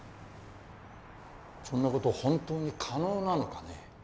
そんな事本当に可能なのかね？